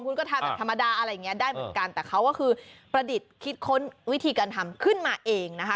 คุณก็ทำแบบธรรมดาอะไรอย่างนี้ได้เหมือนกันแต่เขาก็คือประดิษฐ์คิดค้นวิธีการทำขึ้นมาเองนะคะ